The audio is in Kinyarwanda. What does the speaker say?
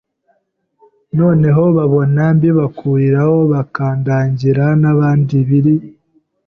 noneho babona mbibakuriraho bakandangira n’ahandi biri